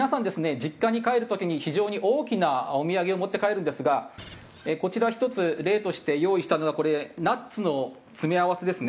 実家に帰る時に非常に大きなお土産を持って帰るんですがこちら一つ例として用意したのがこれナッツの詰め合わせですね。